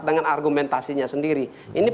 dengan argumentasinya sendiri ini